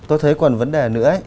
tôi thấy còn vấn đề nữa